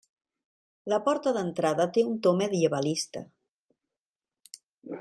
La porta d'entrada té un to medievalista.